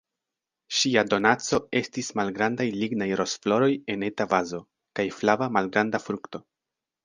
Ŝia donaco estis malgrandaj lignaj rozfloroj en eta vazo, kaj flava, malgranda frukto.